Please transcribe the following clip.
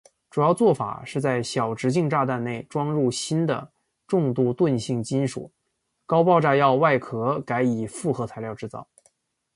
主要作法是在小直径炸弹内装入新的重度钝性金属高爆炸药外壳改以复合材料制造。